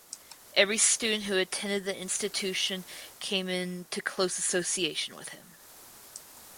Every student who attended the institution came into close association with him.